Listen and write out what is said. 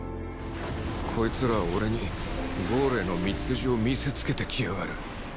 こいつらは俺にゴールへの道筋を見せつけてきやがる